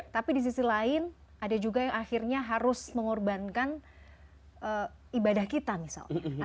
tapi di sisi lain ada juga yang akhirnya harus mengorbankan ibadah kita misalnya